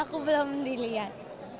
aku belum dilihat